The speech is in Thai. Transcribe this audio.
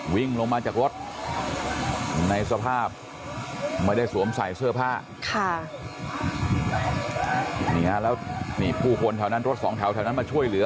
วิ่งลงมาจากรถในสภาพไม่ได้สวมใส่เสื้อผ้าค่ะนี่ฮะแล้วนี่ผู้คนแถวนั้นรถสองแถวแถวนั้นมาช่วยเหลือ